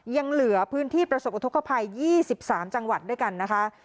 ยังเหลือพื้นที่ประสบอุทธกภัย๒๓จังหวัดด้วยกันนะคะ